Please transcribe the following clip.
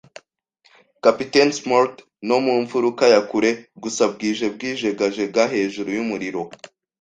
Kapiteni Smollett; no mu mfuruka ya kure, gusa bwije bwijegajega hejuru yumuriro,